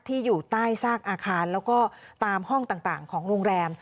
อยู่ใต้ซากอาคารแล้วก็ตามห้องต่างของโรงแรม